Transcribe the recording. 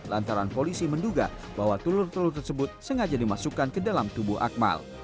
lantaran polisi menduga bahwa telur telur tersebut sengaja dimasukkan ke dalam tubuh akmal